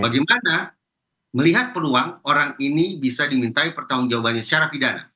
bagaimana melihat peluang orang ini bisa dimintai pertanggung jawabannya secara pidana